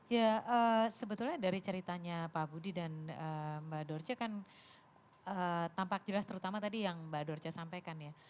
ya sebetulnya dari ceritanya pak budi dan mbak dorce kan tampak jelas terutama tadi yang mbak dorce sampaikan ya